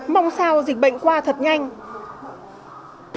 mong sao dịch bệnh qua thật nhanh